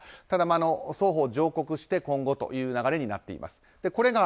ただ、双方上告して今後という流れになっています。